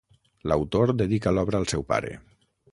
L'autor dedica l'obra al seu pare.